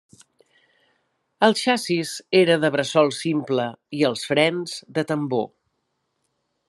El xassís era de bressol simple i els frens, de tambor.